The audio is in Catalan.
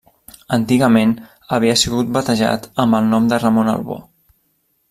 Antigament havia sigut batejat amb el nom de Ramon Albó.